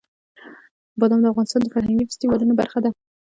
بادام د افغانستان د فرهنګي فستیوالونو برخه ده.